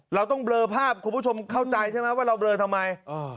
เราต้องเบลอภาพคุณผู้ชมเข้าใจใช่ไหมว่าเราเบลอทำไม